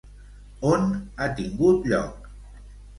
On ha tingut lloc?